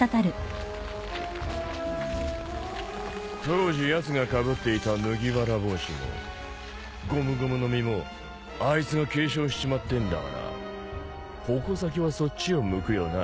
当時やつがかぶっていた麦わら帽子もゴムゴムの実もあいつが継承しちまってんだから矛先はそっちを向くよな。